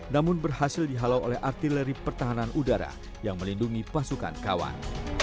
namun berhasil dihalau oleh artileri pertahanan udara yang melindungi pasukan kawan